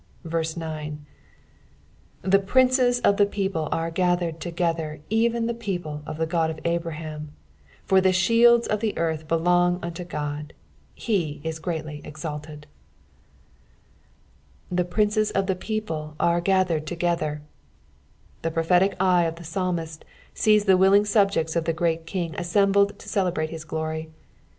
9 The princes of the people are gathered together, eren the people of the God of Abraham : for the shields of the earth belong unto God : he is greatly exalted. 8, " The prinoei of tht people are gathered toffether.'* The prophetic ere of the psalmist sees the willing subjects of the great King assembled to celebrate his glory.